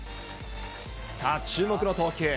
さあ、注目の投球。